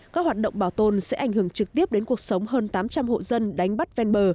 các hoạt động bảo tồn sẽ ảnh hưởng trực tiếp đến cuộc sống hơn tám trăm linh hộ dân đánh bắt ven bờ